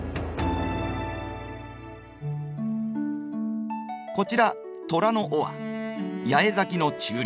こちら虎の尾は八重咲きの中輪。